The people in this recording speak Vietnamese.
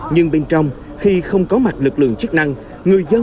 nhưng bên trong khi không có mặt trời